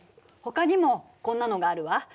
ほかにもこんなのがあるわ。